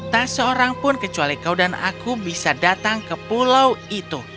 tak seorang pun kecuali kau dan aku bisa datang ke pulau itu